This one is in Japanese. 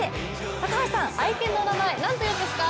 高橋さん、愛犬のお名前なんていうんですか？